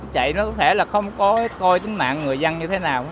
chạy nó có thể là không có coi tính mạng người dân như thế nào